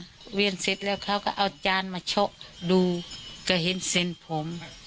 ก็เวียนเสร็จแล้วเขาก็เอาจานมาชกดูก็เห็นเส้นผม